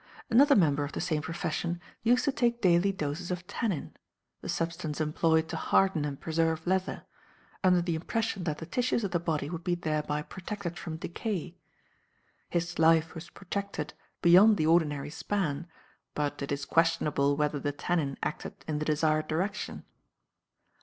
Another member of the same profession used to take daily doses of tannin (the substance employed to harden and preserve leather), under the impression that the tissues of the body would be thereby protected from decay. His life was protracted beyond the ordinary span, but it is questionable whether the tannin acted in the desired direction.